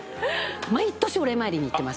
毎年お礼参りに行っています。